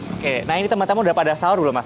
oke nah ini teman teman udah pada sahur loh mas